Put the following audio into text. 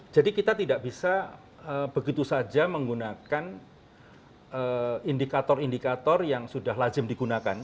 jadi kita tidak bisa begitu saja menggunakan indikator indikator yang sudah lajem digunakan